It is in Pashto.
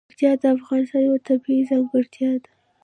پکتیا د افغانستان یوه طبیعي ځانګړتیا ده.